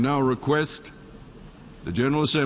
คุณพระเจ้า